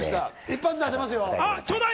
一発で当てますよ。